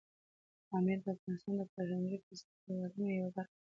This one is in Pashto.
پامیر د افغانستان د فرهنګي فستیوالونو یوه برخه ده.